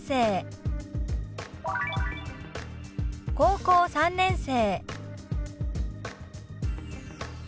「高校３年生」。